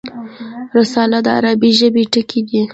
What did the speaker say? رساله د عربي ژبي ټکی دﺉ.